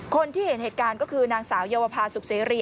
คนที่เห็นเหตุการณ์ก็คือนางสาวเยาวภาสุขเสรี